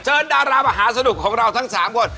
ดารามหาสนุกของเราทั้ง๓คน